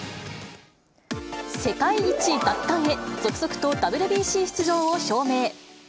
世界一奪還へ、続々とＷＢＣ出場を表明。